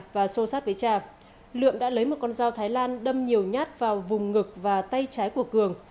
và xô sát với cha lượng đã lấy một con dao thái lan đâm nhiều nhát vào vùng ngực và tay trái của cường